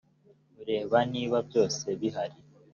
urebe niba byose bihari